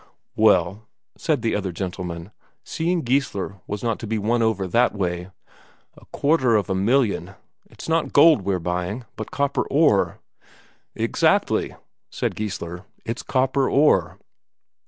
"Well," said the other gentleman, seeing Geissler was not to be won over that way, "a quarter of a million ... it's not gold we're buying, but copper ore." "Exactly," said Geissler. "It's copper ore."